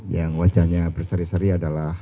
yang wajahnya berseri seri adalah